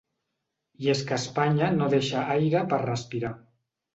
I és que Espanya no deixa aire per respirar.